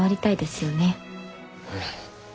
うん。